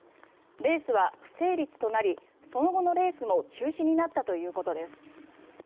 レースは不成立となりその後のレースも中止になったということです。